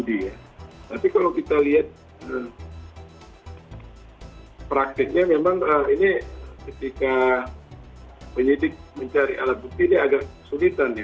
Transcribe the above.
tapi kalau kita lihat prakteknya memang ini ketika penyidik mencari alat bukti ini agak kesulitan ya